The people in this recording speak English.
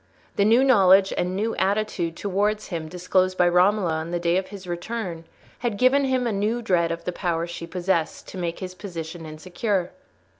The new knowledge and new attitude towards him disclosed by Romola on the day of his return, had given him a new dread of the power she possessed to make his position insecure.